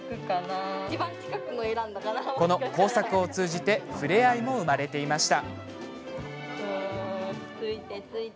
この工作を通じて触れ合いも生まれていました。